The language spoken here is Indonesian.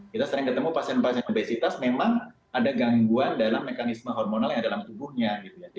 kita sering ketemu pasien pasien obesitas memang ada gangguan dalam mekanisme hormonal yang ada dalam tubuhnya